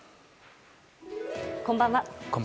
こんばんは。